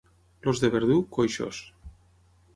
Els de Verdú, coixos.